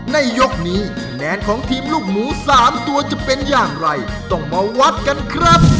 ในยกนี้คะแนนของทีมลูกหมู๓ตัวจะเป็นอย่างไรต้องมาวัดกันครับ